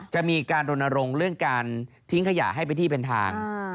จะมีการลงระลงเรื่องทิ้งขยะให้ไปที่แผ่นทาง